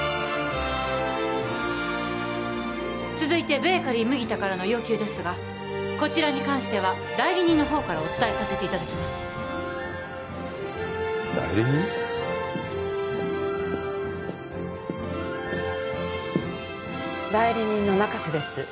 続いてベーカリー麦田からの要求ですがこちらに関しては代理人のほうからお伝えさせていただきます代理人？代理人の中瀬です